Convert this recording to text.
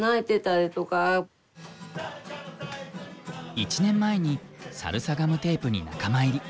１年前にサルサガムテープに仲間入り。